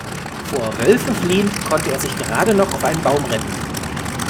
Vor Wölfen fliehend konnte er sich gerade noch auf einen Baum retten.